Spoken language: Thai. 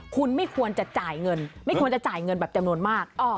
คุณไม่ควรจะจ่ายเงินไม่ควรจะจ่ายเงินแบบจำนวนมาก